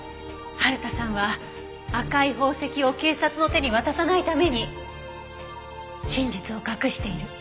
春田さんは赤い宝石を警察の手に渡さないために真実を隠している。